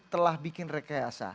telah bikin rekayasa